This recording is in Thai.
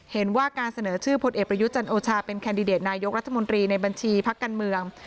เห็นว่าการเสนอชื่อพลเอกประยุทธ์จันโอชาเป็นแคนดิเดตนายกรัฐมนตรีในบัญชีพักการเมือง